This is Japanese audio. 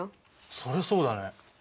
そりゃそうだね！